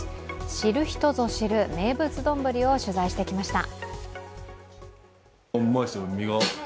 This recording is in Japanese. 知る人ぞ知る名物丼を取材してきました。